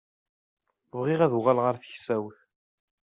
Bɣiɣ ad uɣaleɣ ar teksawt.